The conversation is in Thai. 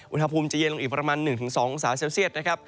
อุณหภูมิจะเย็นลงอีกประมาณ๑๒องศาเซลเซียตนะครับ